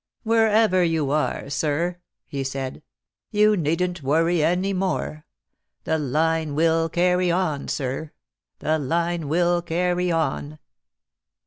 "Wherever you are, sir," he said, "you needn't worry any more. The line will carry on, sir. The line will carry on."